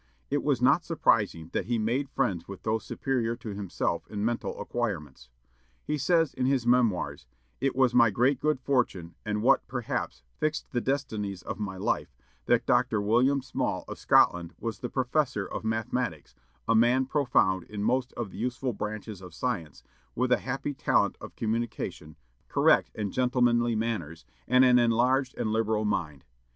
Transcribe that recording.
It was not surprising that he made friends with those superior to himself in mental acquirements. He says, in his Memoirs: "It was my great good fortune, and what, perhaps, fixed the destinies of my life, that Dr. William Small of Scotland was the professor of mathematics, a man profound in most of the useful branches of science, with a happy talent of communication, correct and gentlemanly manners, and an enlarged and liberal mind.